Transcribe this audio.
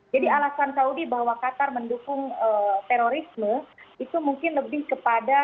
jadi alasan saudi bahwa qatar mendukung terorisme itu mungkin lebih kepada